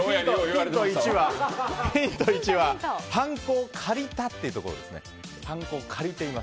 ヒント１ははんこを借りたというところです。